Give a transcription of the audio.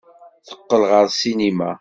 Teqqel ɣer ssinima.